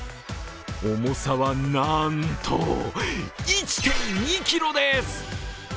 重さはなんと１．２ｋｇです。